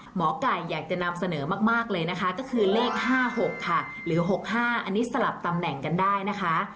หมอไก่อยากจะนำเสนอมากเลยนะคะก็คือเลข๕๖ค่ะหรือ๖๕อันนี้สลับตำแหน่งกันได้นะคะ